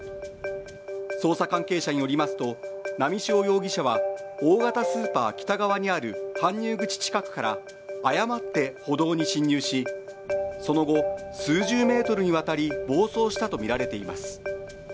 捜査関係者によりますと、波汐容疑者は大型スーパー北側にある搬入口近くから誤って歩道に進入しその後、数十メートルにわたり暴走したとみられています。